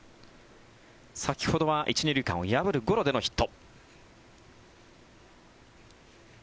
先ほどは１・２塁間を破るゴロでのヒット。